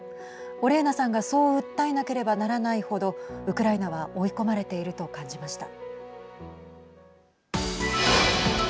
オレーナさんがそう訴えなければならない程ウクライナは追い込まれていると感じました。